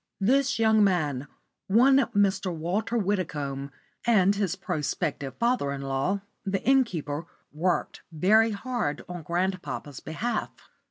This young man one Mr. Walter Widdicombe and his prospective father in law, the innkeeper, worked very hard on grandpapa's behalf.